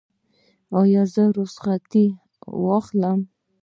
ایا زه رخصتي واخلم؟